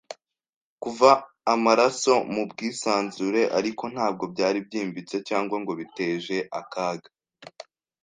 kuva amaraso mu bwisanzure, ariko ntabwo byari byimbitse cyangwa ngo biteje akaga,